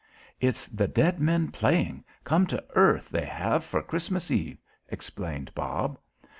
"It's the dead men playing. Come to earth, they have, for Christmas Eve," explained Bob.